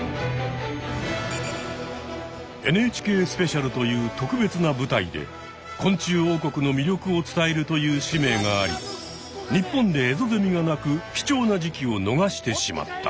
「ＮＨＫスペシャル」という特別な舞台で昆虫王国の魅力を伝えるという使命があり日本でエゾゼミが鳴く貴重な時期を逃してしまった。